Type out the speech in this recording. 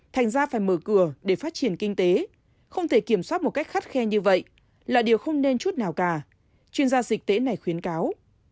thành ra phải mở cửa để phát triển kinh tế không thể kiểm soát một cách khắt khe như vậy là điều không nên chút nào cả chuyên gia dịch tễ này khuyến cáo